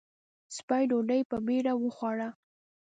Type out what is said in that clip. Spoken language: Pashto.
سپۍ ډوډۍ په بېړه وخوړه.